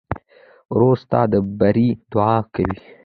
ورور ستا د بري دعا کوي.